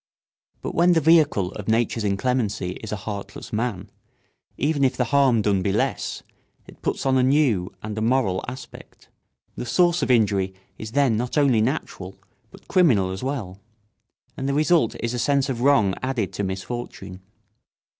But when the vehicle of nature's inclemency is a heartless man, even if the harm done be less, it puts on a new and a moral aspect. The source of injury is then not only natural but criminal as well, and the result is a sense of wrong added to misfortune.